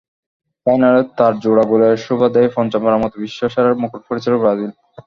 ফাইনালে তাঁর জোড়া গোলের সুবাদেই পঞ্চমবারের মতো বিশ্বসেরার মুকুট পড়েছিল ব্রাজিল।